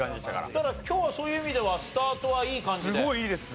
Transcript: ただ今日はそういう意味ではスタートはいい感じで。